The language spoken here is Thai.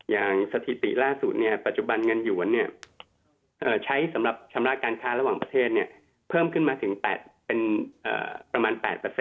สถิติล่าสุดปัจจุบันเงินหยวนใช้สำหรับชำระการค้าระหว่างประเทศเพิ่มขึ้นมาถึงเป็นประมาณ๘